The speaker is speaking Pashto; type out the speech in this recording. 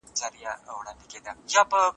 تولید او مصرف باید انډول ولري.